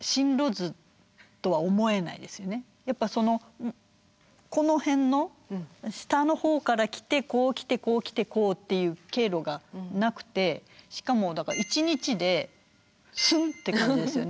やっぱそのこの辺の下の方から来てこう来てこう来てこうっていう経路がなくてしかもだから１日でスンッて来たんですよね。